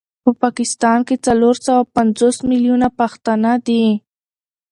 په پاکستان کي څلور سوه پنځوس مليونه پښتانه دي